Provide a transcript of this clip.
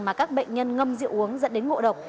mà các bệnh nhân ngâm rượu uống dẫn đến ngộ độc